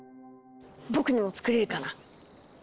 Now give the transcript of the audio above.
僕にも作れるかな。